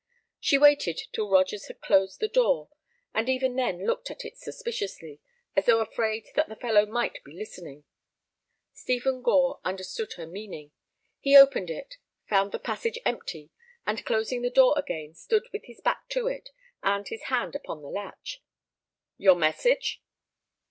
She waited till Rogers had closed the door, and even then looked at it suspiciously, as though afraid that the fellow might be listening. Stephen Gore understood her meaning. He opened it, found the passage empty, and, closing the door again, stood with his back to it and his hand upon the latch. "Your message?"